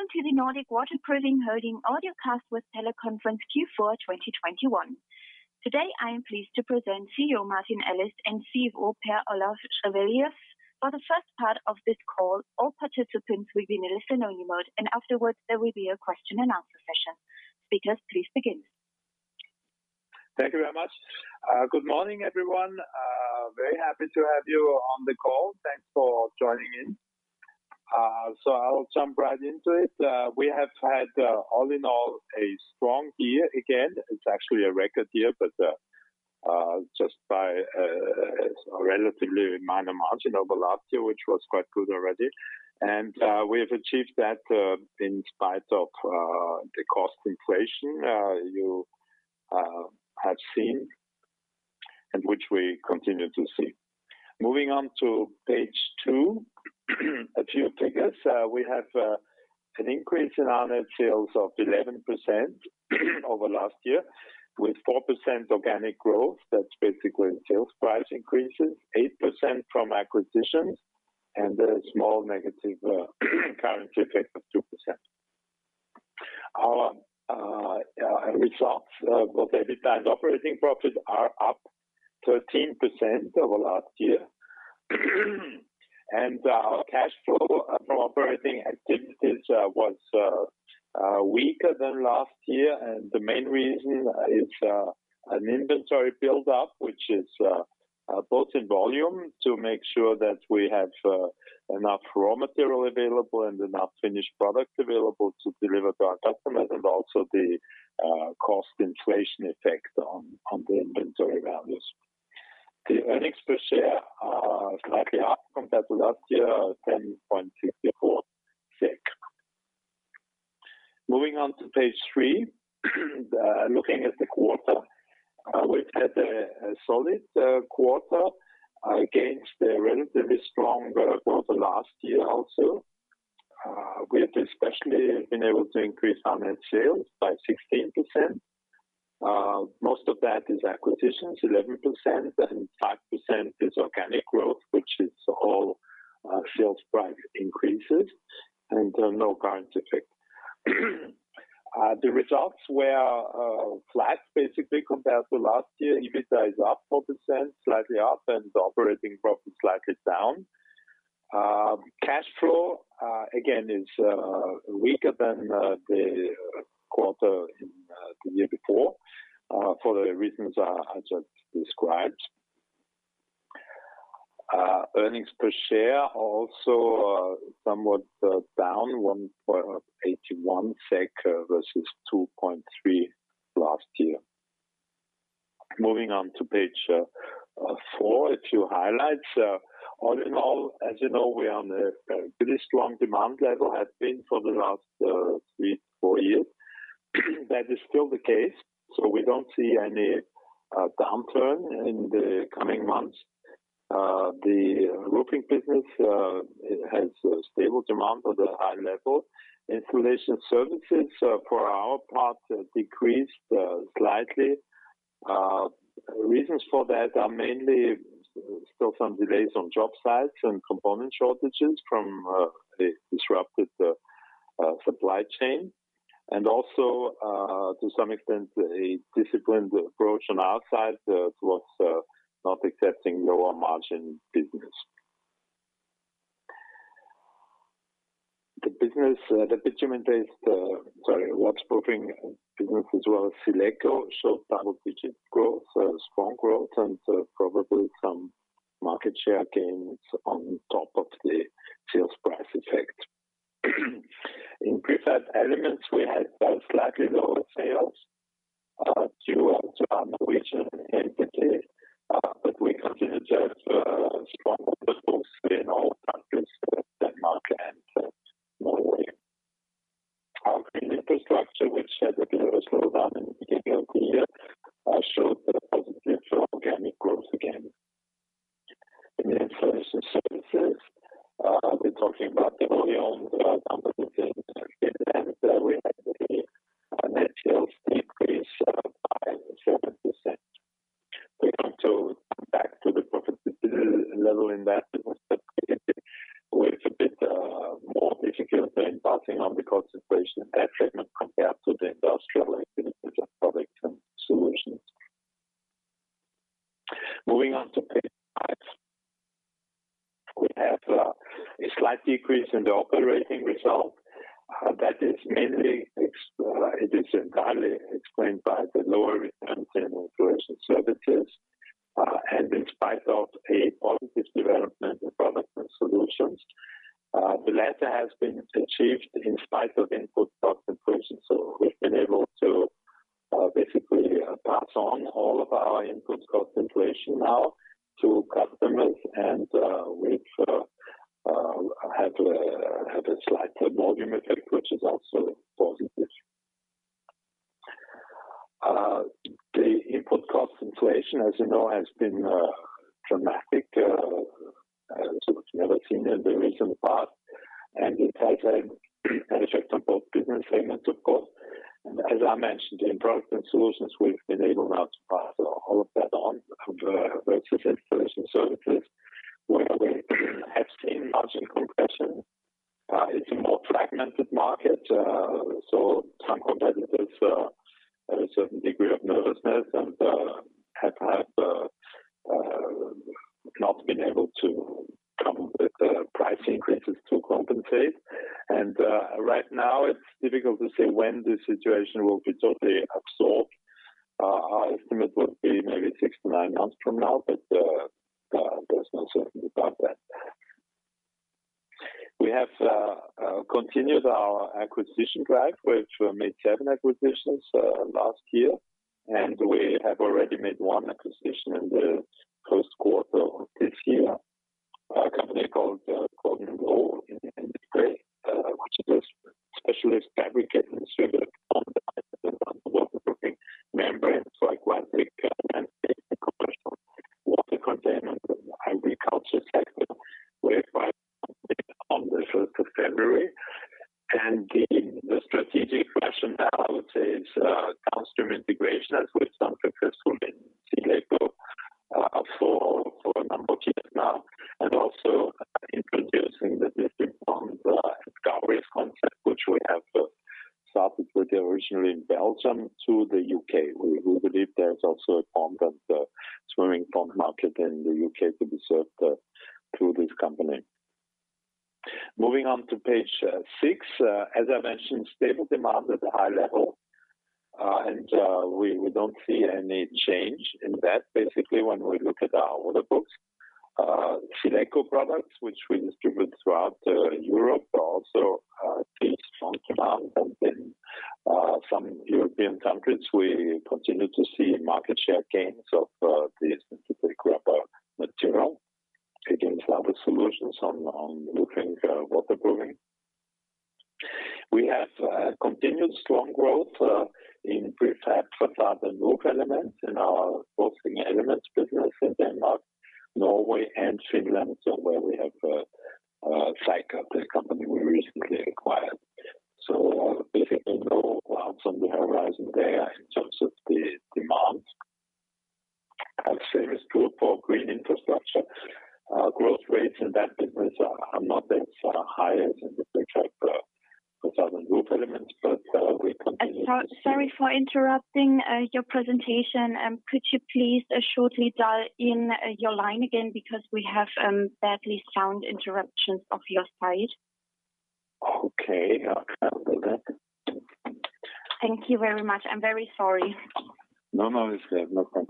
Welcome to the Nordic Waterproofing Holding AB Audiocast with Teleconference Q4 2021. Today, I am pleased to present CEO Martin Ellis and CFO Per-Olof Schrewelius. For the first part of this call, all participants will be in a listen-only mode, and afterwards there will be a question and answer session. Speakers, please begin. Thank you very much. Good morning, everyone. Very happy to have you on the call. Thanks for joining in. So I'll jump right into it. We have had, all in all, a strong year again. It's actually a record year, but just by a relatively minor margin over last year, which was quite good already. We have achieved that in spite of the cost inflation you have seen and which we continue to see. Moving on to page two. A few takeaways. We have an increase in our net sales of 11% over last year, with 4% organic growth. That's basically in sales price increases, 8% from acquisitions and a small negative currency effect of 2%. Our results of EBITDA and operating profits are up 13% over last year. Our cash flow from operating activities was weaker than last year, and the main reason is an inventory build-up, which is both in volume to make sure that we have enough raw material available and enough finished product available to deliver to our customers, and also the cost inflation effect on the inventory values. The earnings per share are slightly up compared to last year, 10.64 SEK. Moving on to page three. Looking at the quarter, we've had a solid quarter against a relatively strong quarter for last year also. We have especially been able to increase our net sales by 16%. Most of that is acquisitions, 11%, and 5% is organic growth, which is all sales price increases and no currency effect. The results were flat, basically, compared to last year. EBITDA is up 4%, slightly up, and the operating profit is slightly down. Cash flow, again, is weaker than the quarter in the year before, for the reasons I just described. Earnings per share also are somewhat down 1.81 SEK versus 2.3 last year. Moving on to page four. A few highlights. All in all, as you know, we are on a pretty strong demand level, have been for the last three to four years. That is still the case, so we don't see any downturn in the coming months. The roofing business has a stable demand at a high level. Insulation services for our part have decreased slightly. Reasons for that are mainly still some delays on job sites and component shortages from the disrupted supply chain. To some extent, a disciplined approach on our side towards not accepting lower margin business. The bitumen-based waterproofing business as well. SealEco showed double-digit growth, strong growth, and probably some market share gains on top of the sales price effect. In prefab elements, we had slightly lower sales due to our Norwegian entity, but we continue to have strong order books in all countries, Denmark and Norway. Our green infrastructure, which had a bit of a slowdown in the beginning of the year, showed a positive organic growth again. In Installation Services, we're talking about the volume, number of buildings, and we had net sales decrease by 7%. We hope to come back to the profitability level in that business, but it is a bit more difficult than passing on the cost inflation there, compared to the industrial activities of Products & Solutions. Moving on to page five. We have a slight decrease in the operating result that is entirely explained by the lower returns in Installation Services and in spite of a positive development in Products & Solutions. The latter has been achieved in spite of input cost inflation. We've been able to basically pass on all of our input cost inflation now to customers and which has a slight volume effect, which is also positive. The input cost inflation, as you know, has been dramatic, never seen in the recent past, and it has an effect on both business segments, of course. As I mentioned, in Products and Solutions, we've been able now to pass all of that on. Versus Installation Services where we have seen margin compression. It's a more fragmented market. Some competitors have a certain degree of nervousness and have not been able to come with price increases to compensate. Right now it's difficult to say when the situation will be totally absorbed. Our estimate would be maybe six to nine months from now, but there's no certainty about that. We have continued our acquisition drive. We've made seven acquisitions last year, and we have already made one acquisition in the first quarter of this year. A company called Gordon Low in the U.K., which is specialist fabricator and distributor of waterproofing membranes for aquatic and commercial water containment in the agriculture sector. We acquired on the first of February. The strategic rationale is downstream integration, as we have successfully in SealEco for a number of years now, and also introducing the Distri Pond and garden concept, which we have started with originally in Belgium to the U.K. We believe there's also a pond and swimming pond market in the U.K. to be served through this company. Moving on to page six. As I mentioned, stable demand at a high level. We don't see any change in that basically when we look at our order books. SealEco products, which we distribute throughout Europe, are also seeing strong demand. In some European countries, we continue to see market share gains of the synthetic rubber material against other solutions on roofing waterproofing. We have continued strong growth in prefab facade and roof elements in our roofing elements business in Denmark, Norway, and Finland, so where we have Taasinge, the company we recently acquired. Basically no clouds on the horizon there in terms of the demand. I'd say it is true for green infrastructure. Growth rates in that business are not as high as in the prefab, facade and roof elements, but we continue to. Sorry for interrupting your presentation. Could you please shortly dial in your line again because we have bad sound interruptions from your side. Okay. I'll try and do that. Thank you very much. I'm very sorry. No, no. It's good. No problem.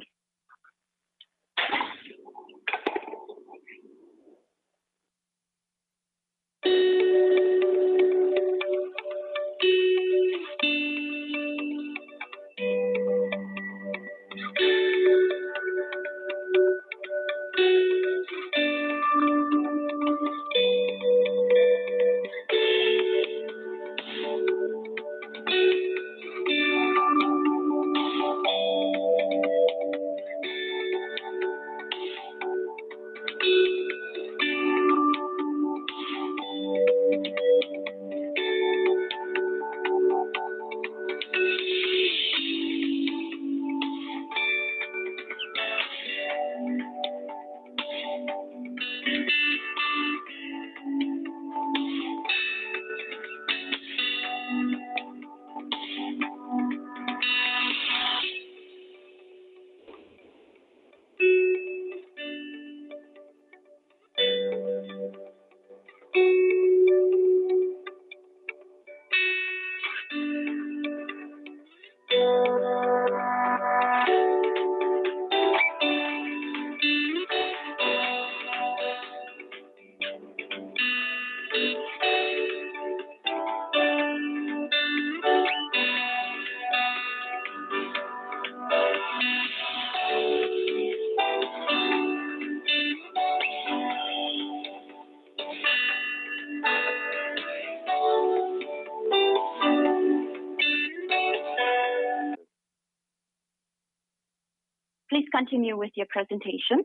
Please continue with your presentation.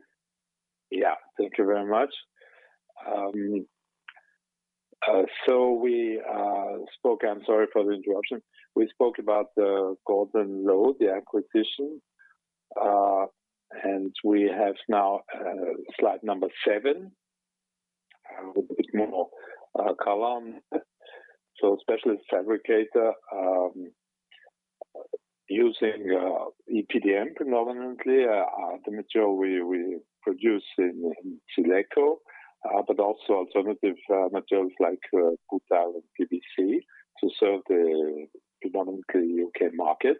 Thank you very much. I'm sorry for the interruption. We spoke about Gordon Low, the acquisition. We have now slide number seven. A little bit more column. Specialist fabricator using EPDM predominantly is the material we produce in SealEco, but also alternative materials like butyl and PVC to serve the predominantly U.K. market.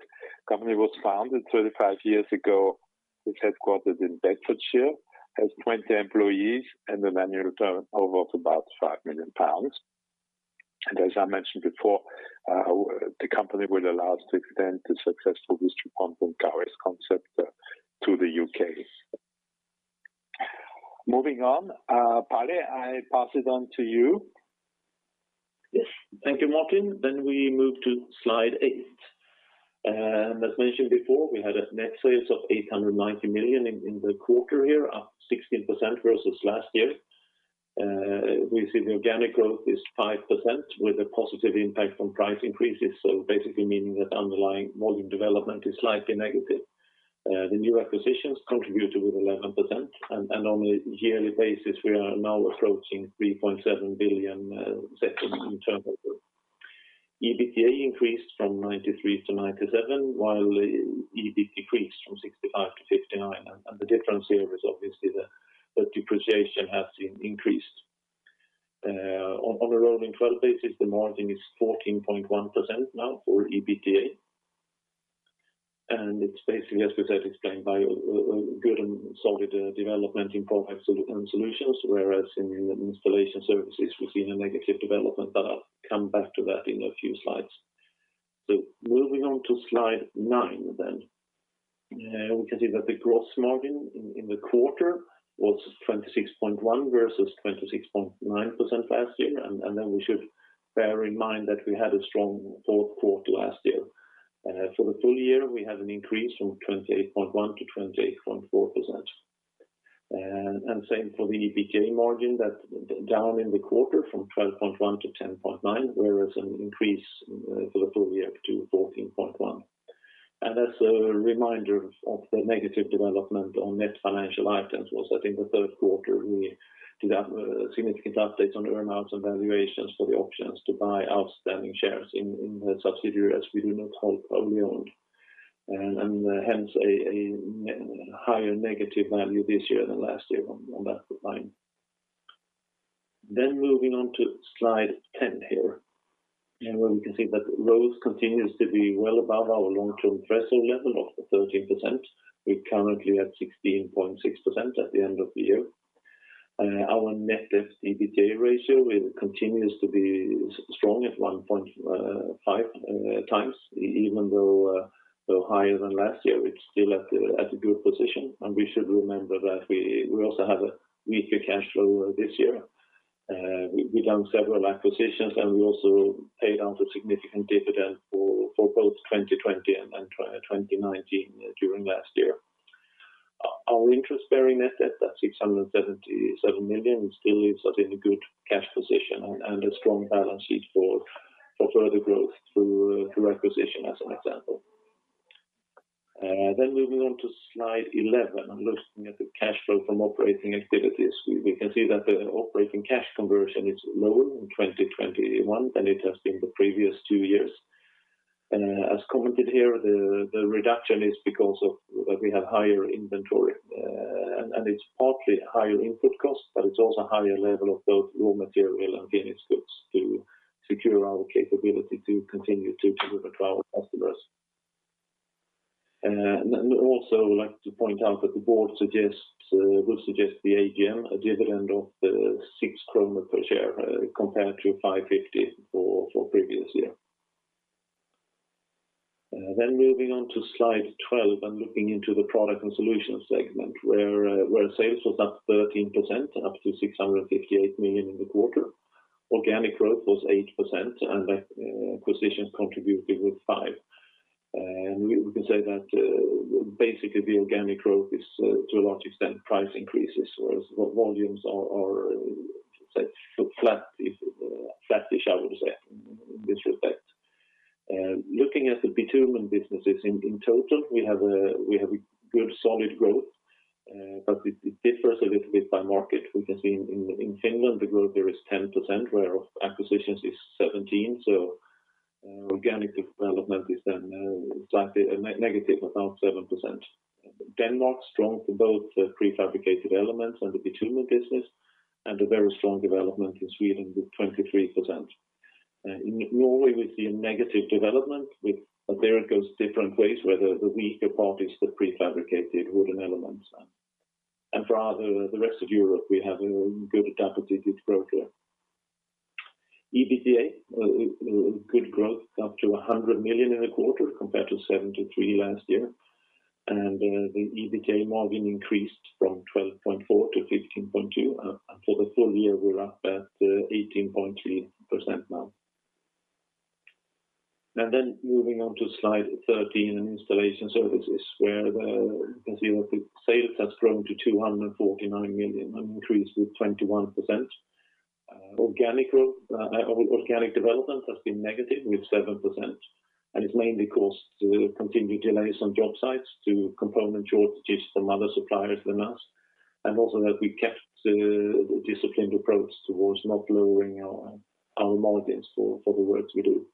Company was founded 35 years ago. It's headquartered in Bedfordshire, has 20 employees and an annual turnover of about 5 million pounds. As I mentioned before, the company will allow us to extend the successful Distri Pond and gardens concept to the U.K. Moving on. Palle, I pass it on to you. Yes. Thank you, Martin. We move to slide eight. As mentioned before, we had net sales of 890 million in the quarter here, up 16% versus last year. We see the organic growth is 5% with a positive impact from price increases, so basically meaning that underlying volume development is slightly negative. The new acquisitions contributed with 11%, and on a yearly basis, we are now approaching 3.7 billion in turnover. EBITDA increased from 93-97, while EBIT decreased from 65 to 59, and the difference here is obviously the depreciation has increased. On a rolling twelve basis, the margin is 14.1% now for EBITDA, and it's basically, as we said, explained by a good and solid development in Products and Solutions, whereas in the Installation Services, we've seen a negative development, but I'll come back to that in a few slides. Moving on to slide nine then. We can see that the gross margin in the quarter was 26.1% versus 26.9% last year, and then we should bear in mind that we had a strong fourth quarter last year. For the full year, we had an increase from 28.1%-28.4%. And same for the EBITDA margin that down in the quarter from 12.1% to 10.9%, whereas an increase for the full year to 14.1%. As a reminder of the negative development on net financial items was that in the third quarter, we did significant updates on earnouts and valuations for the options to buy outstanding shares in the subsidiaries we do not hold or we own, and hence a higher negative value this year than last year on that line. Moving on to slide 10 here, where we can see that ROCE continues to be well above our long-term threshold level of 13%. We're currently at 16.6% at the end of the year. Our net debt to EBITDA ratio continues to be strong at 1.5x, even though higher than last year, it's still at a good position. We should remember that we also have a weaker cash flow this year. We've done several acquisitions, and we also paid out a significant dividend for both 2020 and 2019 during last year. Our interest-bearing net debt, that 677 million, still leaves us in a good cash position and a strong balance sheet for further growth through acquisition as an example. Moving on to slide 11 and looking at the cash flow from operating activities, we can see that the operating cash conversion is lower in 2021 than it has been the previous two years. As commented here, the reduction is because of we have higher inventory and it's partly higher input costs, but it's also a higher level of both raw material and finished goods to secure our capability to continue to deliver to our customers. I like to point out that the board suggests will suggest the AGM a dividend of 6 per share, compared to 5.50 for previous year. Moving on to slide 12 and looking into the Products & Solutions segment where sales was up 13%, up to 658 million in the quarter. Organic growth was 8%, and acquisitions contributed with 5%. We can say that basically the organic growth is to a large extent price increases, whereas volumes are say flat if flattish I would say in this respect. Looking at the bitumen businesses in total, we have a good solid growth, but it differs a little bit by market. We can see in Finland, the growth there is 10%, where acquisitions is 17%, organic development is then slightly negative, about 7%. Denmark, strong for both the prefabricated elements and the bitumen business, and a very strong development in Sweden with 23%. In Norway, we see a negative development. There it goes different ways, where the weaker part is the prefabricated wooden elements. For the rest of Europe, we have a good double-digit growth there. EBITDA good growth, up to 100 million in the quarter compared to 73 million last year. The EBITDA margin increased from 12.4%-15.2%. For the full year, we're up at 18.3% now. Then moving on to slide 13 in Installation Services where you can see that the sales has grown to 249 million, an increase with 21%. Organic growth or organic development has been negative with 7%, and it's mainly caused continued delays on job sites due to component shortages from other suppliers than us, and also that we kept the disciplined approach towards not lowering our margins for the works we do.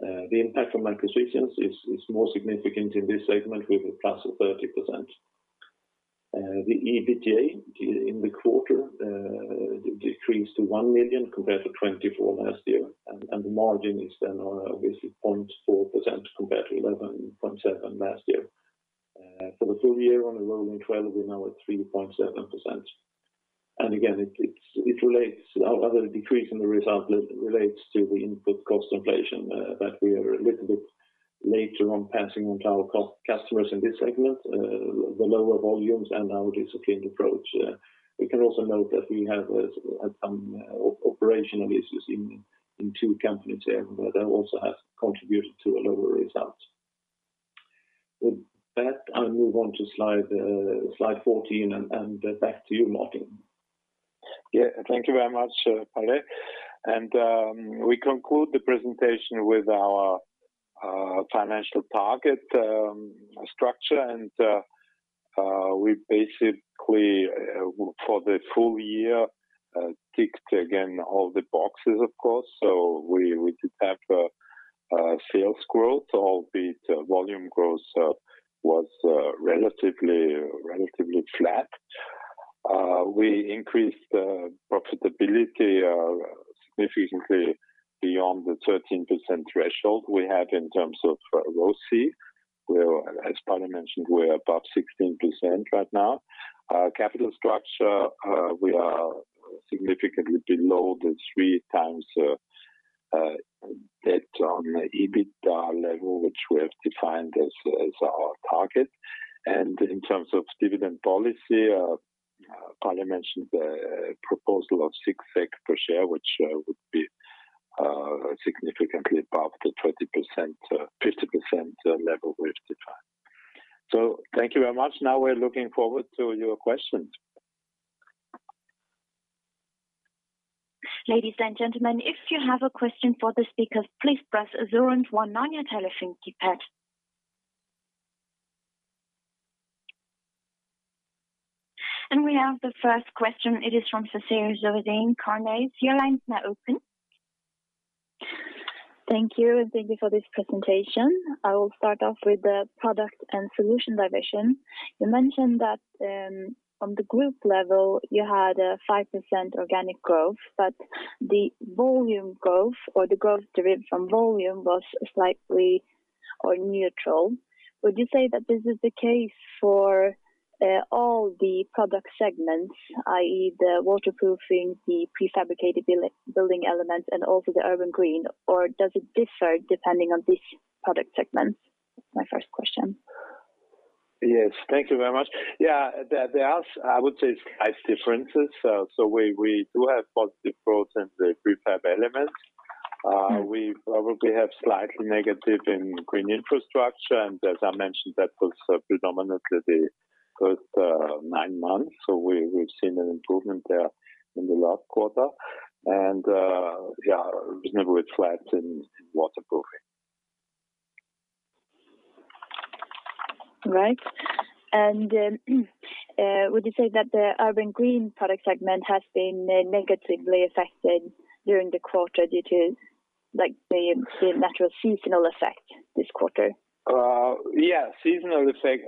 The impact from acquisitions is more significant in this segment with a +30%. The EBITDA in the quarter decreased to 1 million compared to 24 last year, and the margin is then obviously 0.4% compared to 11.7% last year. For the full year on a rolling twelve, we're now at 3.7%. Our other decrease in the result relates to the input cost inflation that we are a little bit later on passing on to our customers in this segment, the lower volumes and our disciplined approach. We can also note that we have had some operational issues in two companies here that also has contributed to a lower result. With that, I'll move on to slide 14 and back to you, Martin. Thank you very much, Palle. We conclude the presentation with our financial target structure. We basically for the full year ticked again all the boxes, of course. We did have sales growth, albeit volume growth was relatively flat. We increased profitability significantly beyond the 13% threshold we have in terms of ROCE, where, as Palle mentioned, we're above 16% right now. Capital structure, we are significantly below the 3x debt on the EBIT level, which we have defined as our target. In terms of dividend policy, Palle mentioned the proposal of 6 SEK per share, which would be significantly above the 20%, 50% level we've defined. Thank you very much. Now we're looking forward to your questions. Ladies and gentlemen, if you have a question for the speakers, please press zero and one on your telephone keypad. We have the first question. It is from Sofia Sörling, Carnegie. Your line's now open. Thank you, and thank you for this presentation. I will start off with the Products & Solutions division. You mentioned that from the group level you had 5% organic growth, but the volume growth or the growth derived from volume was slightly or neutral. Would you say that this is the case for all the product segments, i.e., the waterproofing, the prefabricated building elements and also the urban green, or does it differ depending on these product segments? My first question. Yes, thank you very much. Yeah. The answer, I would say, is nice differences. We do have positive growth in the prefab elements. We probably have slightly negative in green infrastructure. As I mentioned, that was predominantly the first nine months. We've seen an improvement there in the last quarter. Yeah, reasonably flat in waterproofing. All right. Would you say that the urban green product segment has been negatively affected during the quarter due to like the natural seasonal effect this quarter? Yeah, seasonal effects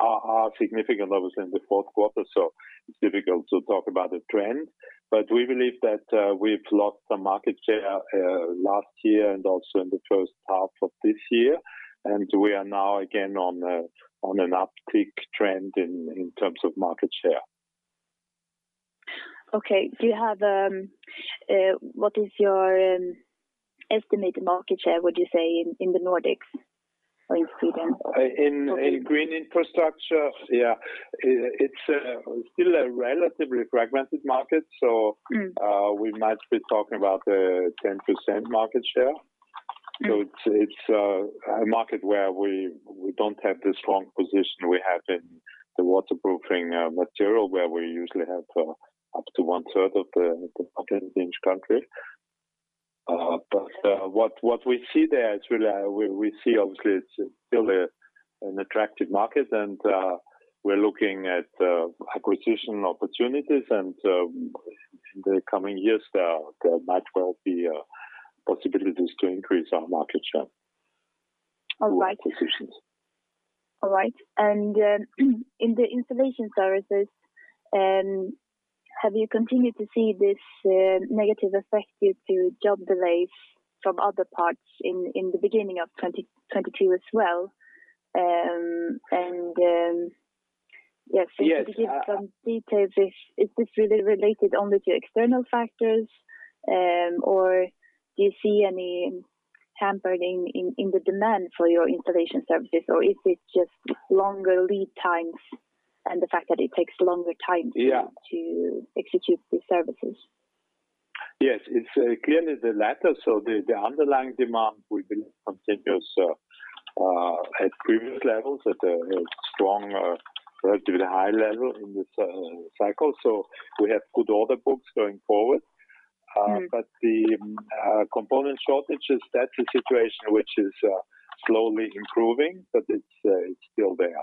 are significant obviously in the fourth quarter, so it's difficult to talk about the trend. We believe that we've lost some market share last year and also in the first half of this year, and we are now again on an uptick trend in terms of market share. Okay. What is your estimated market share, would you say in the Nordics or in Sweden or? In green infrastructure? Yeah. It's still a relatively fragmented market. Mm. We might be talking about a 10% market share. Mm. It's a market where we don't have the strong position we have in the waterproofing material, where we usually have up to 1/3 of the market in each country. What we see there is really obviously it's still an attractive market and we're looking at acquisition opportunities and in the coming years there might well be possibilities to increase our market share. All right. Through acquisitions. All right. In the Installation Services, have you continued to see this negative effect due to job delays from other parts in the beginning of 2022 as well? Yes. Yes. Can you give some details if this is really related only to external factors, or do you see any hampering in the demand for your Installation Services or is it just longer lead times and the fact that it takes longer time? Yeah To execute these services? Yes. It's clearly the latter. The underlying demand we believe continues at previous levels, at a strong or relatively high level in this cycle. We have good order books going forward. Mm. The component shortages, that's a situation which is slowly improving, but it's still there.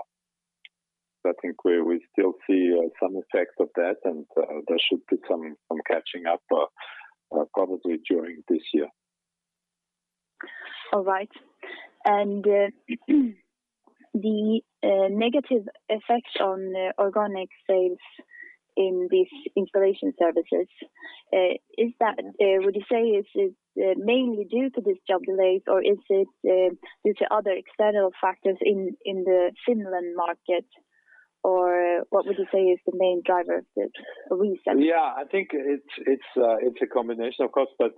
I think we still see some effects of that and there should be some catching up probably during this year. All right. The negative effect on organic sales in these Installation Services, would you say, is mainly due to these job delays or is it due to other external factors in the Finland market? Or what would you say is the main driver of this recent Yeah, I think it's a combination of course, but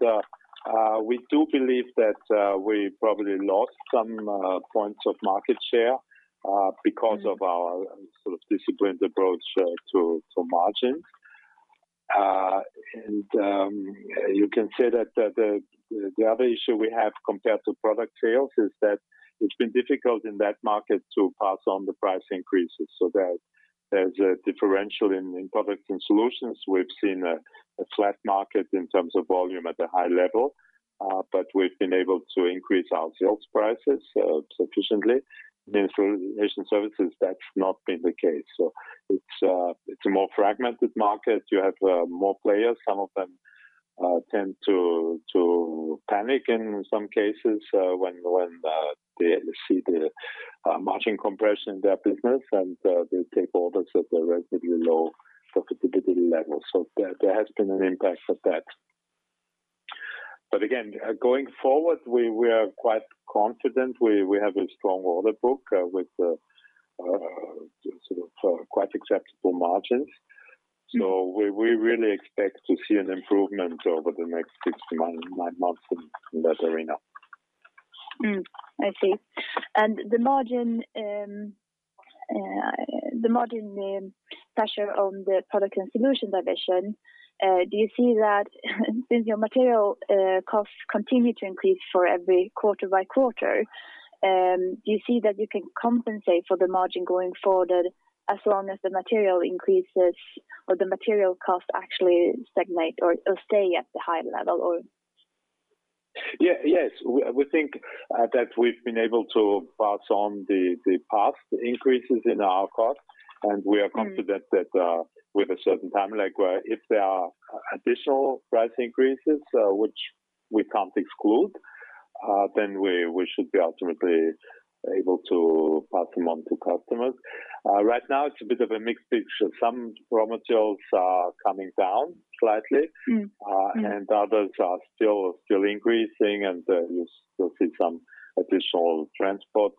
we do believe that we probably lost some points of market share because of our sort of disciplined approach to margins. You can say that the other issue we have compared to product sales is that it's been difficult in that market to pass on the price increases so that there's a differential in Products & Solutions. We've seen a flat market in terms of volume at a high level, but we've been able to increase our sales prices sufficiently. For Installation Services, that's not been the case. It's a more fragmented market. You have more players. Some of them tend to panic in some cases when they see the margin compression in their business, and they take orders at a relatively low profitability level. There has been an impact of that. Again, going forward we are quite confident. We have a strong order book with sort of quite acceptable margins. We really expect to see an improvement over the next six to nine months in that arena. I see. The margin pressure on the Products & Solutions division, do you see that since your material costs continue to increase quarter by quarter, do you see that you can compensate for the margin going forward as long as the material increases or the material costs actually stagnate or stay at the high level? Yes. We think that we've been able to pass on the past increases in our costs, and we are confident that with a certain time lag, where if there are additional price increases, which we can't exclude, then we should be ultimately able to pass them on to customers. Right now it's a bit of a mixed picture. Some raw materials are coming down slightly. Mm-hmm. Mm-hmm Others are still increasing. You still see some additional transport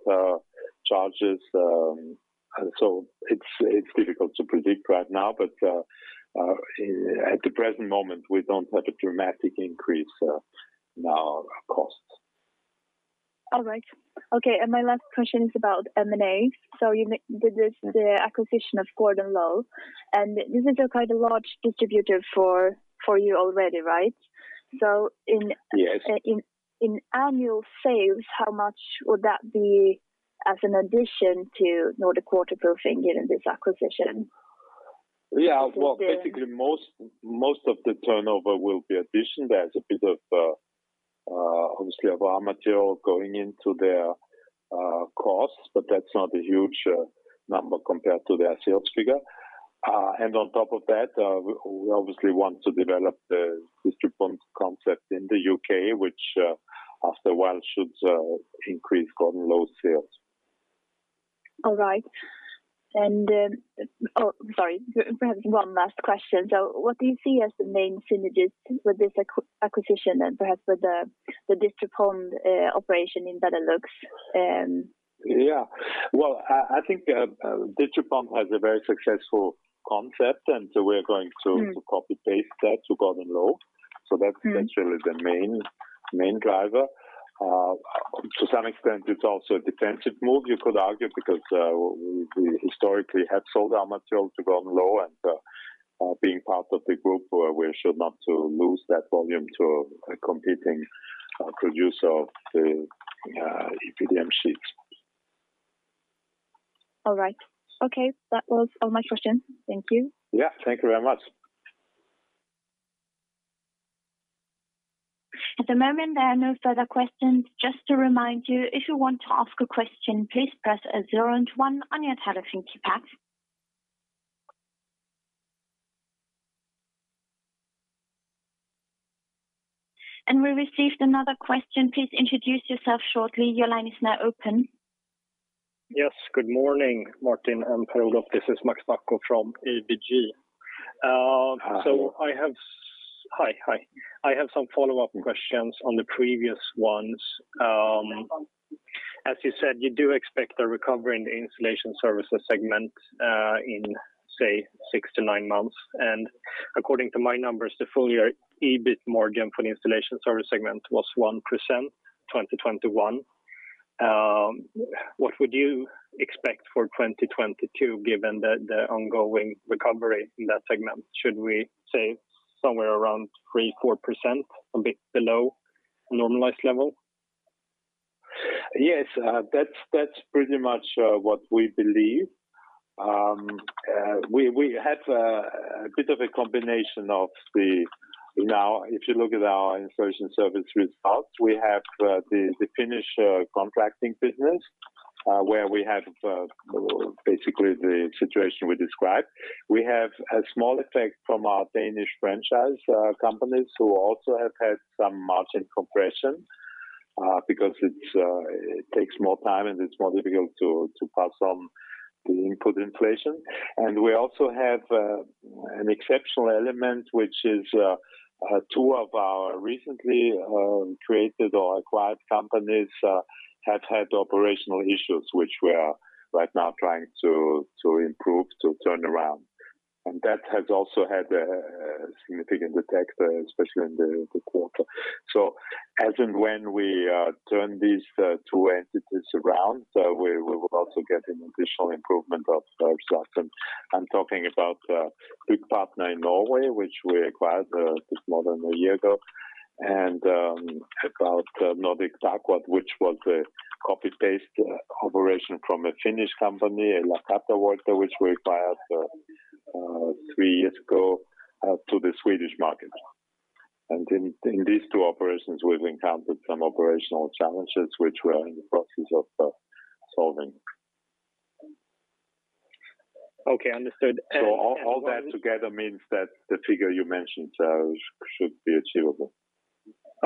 charges. It's difficult to predict right now, but at the present moment, we don't have a dramatic increase in our costs. All right. Okay. My last question is about M&A. This is the acquisition of Gordon Low, and isn't it a kind of large distributor for you already, right? Yes. In annual sales, how much would that be as an addition to Nordic Waterproofing in this acquisition? Yeah. Well, basically most of the turnover will be addition. There's a bit of obviously of raw material going into their costs, but that's not a huge number compared to their sales figure. On top of that, we obviously want to develop the Distri Pond concept in the U.K., which after a while should increase Gordon Low sales. All right. Oh, sorry. Perhaps one last question. What do you see as the main synergies with this acquisition and perhaps with the Distri Pond operation in Belgium? Yeah. Well, I think Distri Pond has a very successful concept, and so we're going to. Mm-hmm. Copy-paste that to Gordon Low. That's. Mm-hmm. Really the main driver. To some extent it's also a defensive move you could argue because we historically have sold our material to Gordon Low, and being part of the group, we should not lose that volume to a competing producer of the EPDM sheets. All right. Okay. That was all my questions. Thank you. Yeah. Thank you very much. At the moment, there are no further questions. Just to remind you, if you want to ask a question, please press zero and one on your telephone keypad. And we received another question. Please introduce yourself shortly. Your line is now open. Yes. Good morning, Martin and Per-Olof. This is Max Scheffel from ABG. Hello. I have some follow-up questions on the previous ones. As you said, you do expect a recovery in the Installation Services segment in, say, six to nine months. According to my numbers, the full-year EBIT margin for the Installation Services segment was 1% 2021. What would you expect for 2022, given the ongoing recovery in that segment? Should we say somewhere around 3%-4%, a bit below normalized level? Yes. That's pretty much what we believe. We have a bit of a combination of the. Now, if you look at our Installation Services results, we have the Finnish contracting business, where we have basically the situation we described. We have a small effect from our Danish franchise companies who also have had some margin compression, because it takes more time and it's more difficult to pass on the input inflation. We also have an exceptional element, which is two of our recently created or acquired companies have had operational issues, which we are right now trying to improve, to turn around. That has also had a significant effect, especially in the quarter. As and when we turn these two entities around, we will also get an additional improvement of results. I'm talking about Byggpartner in Norway, which we acquired just more than a year ago. About Nordic Takvård, which was a copy-paste operation from a Finnish company, and LA-Kattohuolto, which we acquired three years ago to the Swedish market. In these two operations, we've encountered some operational challenges which we're in the process of solving. Okay, understood. All that together means that the figure you mentioned should be achievable.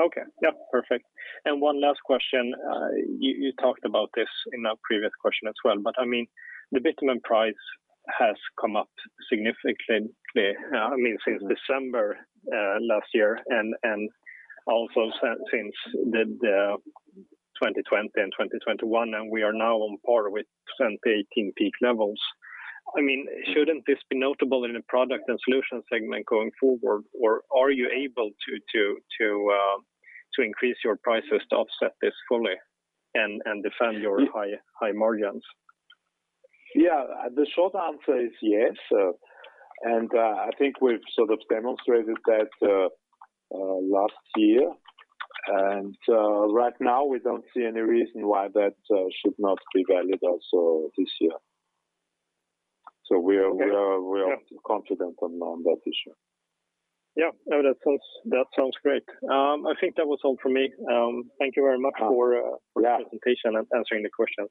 Okay. Yep, perfect. One last question. You talked about this in a previous question as well, but I mean, the bitumen price has come up significantly, I mean, since December last year and also since the 2020 and 2021, and we are now on par with 2018 peak levels. I mean, shouldn't this be notable in the Products and Solutions segment going forward? Or are you able to increase your prices to offset this fully and defend your high margins? Yeah. The short answer is yes. I think we've sort of demonstrated that last year. Right now we don't see any reason why that should not be valid also this year. We are- Okay. Yeah We are confident on that issue. Yeah. No, that sounds great. I think that was all for me. Thank you very much for, Yeah Thank you for the presentation and answering the questions.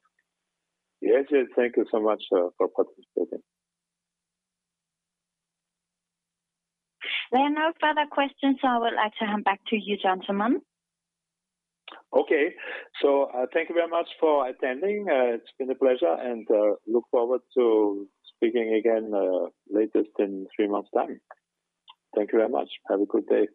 Yes. Thank you so much for participating. There are no further questions, so I would like to hand back to you, gentlemen. Okay. Thank you very much for attending. It's been a pleasure and I look forward to speaking again at the latest in three months' time. Thank you very much. Have a good day.